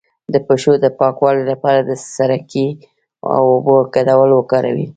د پښو د پاکوالي لپاره د سرکې او اوبو ګډول وکاروئ